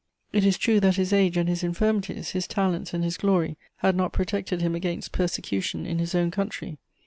It is true that his age and his infirmities, his talents and his glory had not protected him against persecution in his own country.